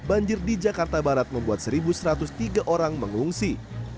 banjir di jakarta barat membuat satu satu ratus tiga orang mengungsi